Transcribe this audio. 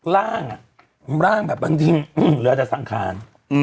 ร่างร่างแบบบางทีเหลือแต่สังขาร